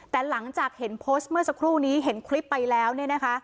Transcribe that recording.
แต่หลังจากเห็นโพสต์เมื่อสักครู่นี้เห็นคลิปไปแล้วเนี่ยนะคะ